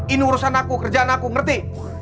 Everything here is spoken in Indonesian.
ini urusan aku kerjaan aku ngerti